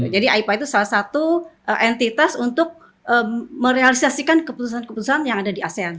jadi aepa itu salah satu entitas untuk merealisasikan keputusan keputusan yang ada di asean